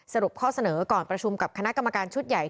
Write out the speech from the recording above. สรุปข้อเสนอก่อนประชุมกับคณะกรรมการชุดใหญ่